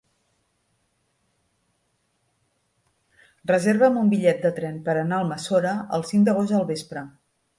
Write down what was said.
Reserva'm un bitllet de tren per anar a Almassora el cinc d'agost al vespre.